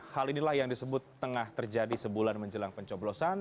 hal inilah yang disebut tengah terjadi sebulan menjelang pencoblosan